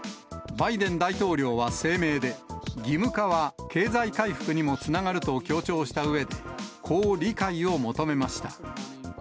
バイデン大統領は声明で、義務化は経済回復にもつながると強調したうえで、こう理解を求めました。